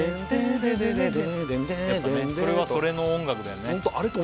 それはそれの音楽だよね